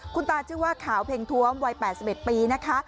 คุณตาชื่อว่าขาวเพ็งท้วมวัย๘๑ปีนะคะ